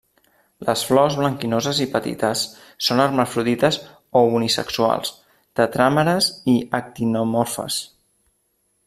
Les flors, blanquinoses i petites, són hermafrodites o unisexuals, tetràmeres i actinomorfes.